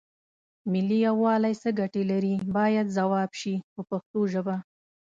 ملي یووالی څه ګټې لري باید ځواب شي په پښتو ژبه.